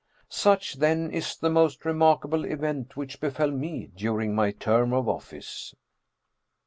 Such, then, is the most remarkable event which befel me during my term of office."